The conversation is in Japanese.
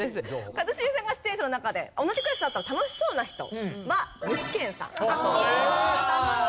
一茂さんが出演者の中で同じクラスだったら楽しそうな人は具志堅さんだそうです。